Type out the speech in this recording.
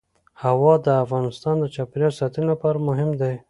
هوا د افغانستان د چاپیریال ساتنې لپاره مهم دي.